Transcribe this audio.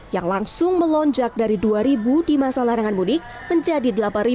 yang langsung melonjak dari dua ribu di masa larangan mudik menjadi delapan